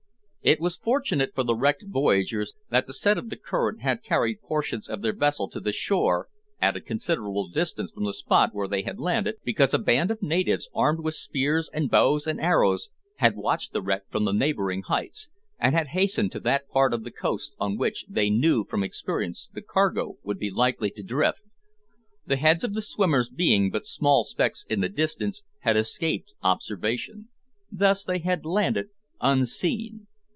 It was fortunate for the wrecked voyagers that the set of the current had carried portions of their vessel to the shore, at a considerable distance from the spot where they had landed, because a band of natives, armed with spears and bows and arrows, had watched the wreck from the neighbouring heights, and had hastened to that part of the coast on which they knew from experience the cargo would be likely to drift. The heads of the swimmers being but small specks in the distance, had escaped observation. Thus they had landed unseen.